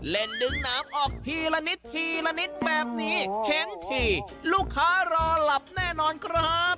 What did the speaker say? ดึงน้ำออกทีละนิดทีละนิดแบบนี้เห็นทีลูกค้ารอหลับแน่นอนครับ